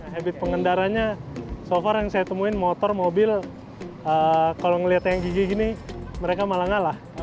habit pengendaranya so far yang saya temuin motor mobil kalau melihat yang gigi gini mereka malah ngalah